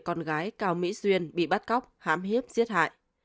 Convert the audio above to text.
con gái cao mỹ duyên bị bắt cóc hám hiếp giết hại